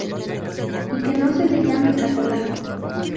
Y que no se le llame catalán.